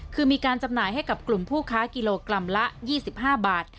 คือมีการจำหน่ายให้กับกลุ่มผู้ค้ากิโลกรัมละ๒๕บาท